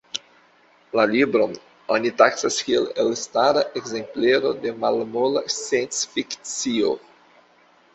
La libron oni taksas kiel elstara ekzemplero de malmola sciencfikcio.